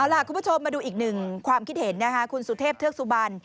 ล่ะคุณผู้ชมมาดูอีกหนึ่งความคิดเห็นนะคะคุณสุเทพเทือกสุบัน